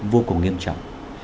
vô cùng nghiêm trọng